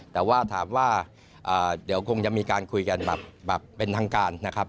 แต่ว่าถามว่าเดี๋ยวคงจะมีการคุยกันแบบเป็นทางการนะครับ